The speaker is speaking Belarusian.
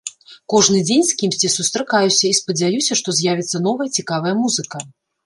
Кожны дзень з кімсьці сустракаюся і спадзяюся, што з'явіцца новая цікавая музыка.